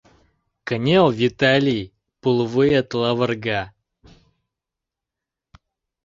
Кынел, Виталий: пулвует лавырга.